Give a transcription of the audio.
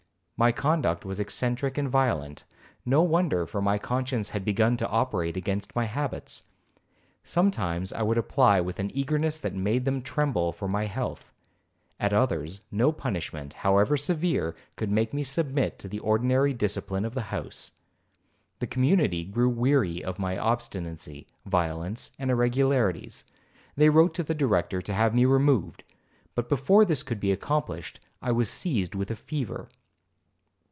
My conduct was eccentric and violent,—no wonder, for my conscience had begun to operate against my habits. Sometimes I would apply with an eagerness that made them tremble for my health; at others, no punishment, however severe, could make me submit to the ordinary discipline of the house. The community grew weary of my obstinacy, violence, and irregularities. They wrote to the Director to have me removed, but before this could be accomplished I was seized with a fever.